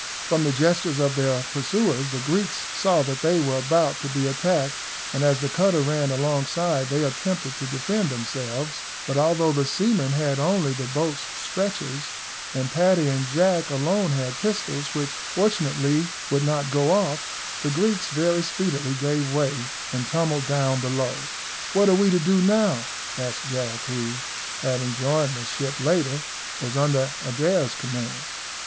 From the gestures of their pursuers the Greeks saw that they were about to be attacked, and as the cutter ran alongside they attempted to defend themselves; but although the seamen had only the boat's stretchers, and Paddy and Jack alone had pistols, which fortunately would not go off, the Greeks very speedily gave way and tumbled down below. "What are we to do now?" asked Jack, who, having joined the ship later, was under Adair's command.